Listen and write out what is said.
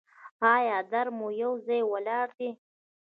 ایا درد مو یو ځای ولاړ دی؟